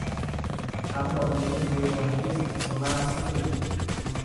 ทั้งหมดนี้คือแนวคิดสมาร์ทซิตี้